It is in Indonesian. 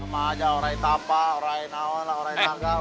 sama aja orang yang apa orang yang apa orang yang apa